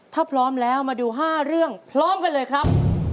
ถ้าพร้อมแล้วมาดู๕เรื่องพร้อมกันเลยครับ